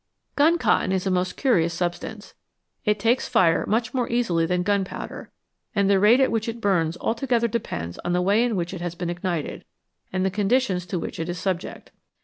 Gun cotton is a most curious substance. It takes fire much more easily than gunpowder, and the rate at which it burns altogether depends on the way in which it has been ignited, and the conditions to which it is subject.